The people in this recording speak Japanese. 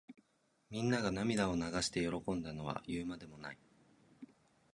みんなが涙を流して喜んだのは言うまでもない。